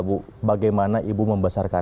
ibu bagaimana ibu membesarkan